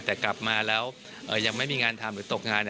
แต่กลับมาแล้วยังไม่มีงานทำหรือตกงาน